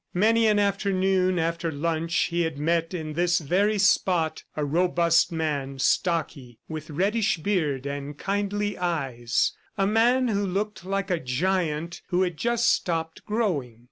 Many an afternoon, after lunch, he had met in this very spot a robust man, stocky, with reddish beard and kindly eyes a man who looked like a giant who had just stopped growing.